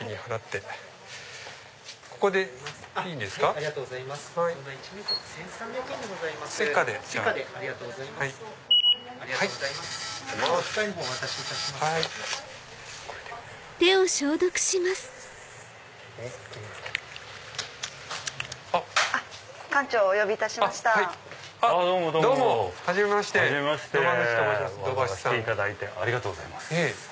わざわざ来ていただいてありがとうございます。